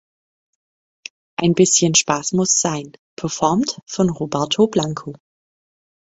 "Ein bischen Spass muss sein" performt von Roberto Blanco.